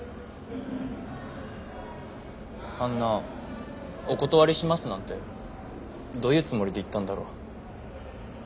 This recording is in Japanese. あんな「お断りします」なんてどういうつもりで言ったんだろう。